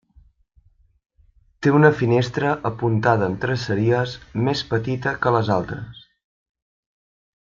Té una finestra apuntada amb traceries, més petita que les altres.